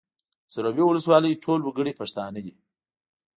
د سروبي ولسوالۍ ټول وګړي پښتانه دي